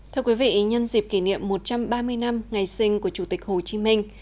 thưa quý vị nhân dịp kỷ niệm một trăm ba mươi năm ngày sinh của chủ tịch hồ chí minh